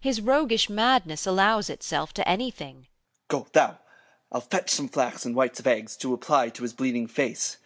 His roguish madness Allows itself to anything. 3. Serv. Go thou. I'll fetch some flax and whites of eggs To apply to his bleeding face.